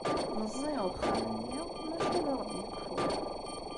Meẓẓi uxxam-nni maca ad aɣ-d-yekfu.